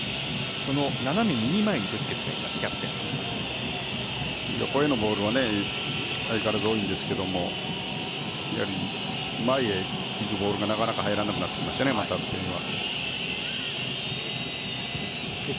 こういうボールは相変わらず多いんですが前に行くボールがなかなか入らなくなってきましたねスペインは。